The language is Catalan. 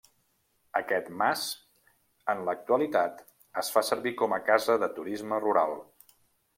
Aquest mas en l'actualitat es fa servir com a casa de turisme rural.